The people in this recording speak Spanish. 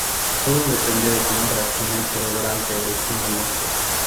Todo depende de cómo reaccione el cerebro ante el estímulo.